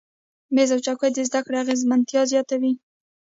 میز او چوکۍ د زده کړې اغیزمنتیا زیاتوي.